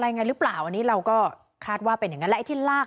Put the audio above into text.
อะไรอะไรรึบล่าวอันนี้เราก็คาดว่าเป็นอย่างนั้นที่ลาก